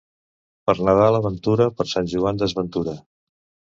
Per Nadal ventura, per Sant Joan desventura.